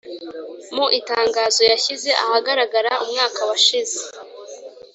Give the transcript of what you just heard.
Mu itangazo yashyize ahagaragara umwaka washize